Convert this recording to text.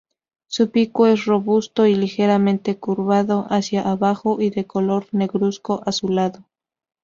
Su pico es robusto y ligeramente curvado hacia abajo y de color negruzco azulado.